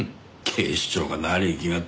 警視庁が何粋がってる。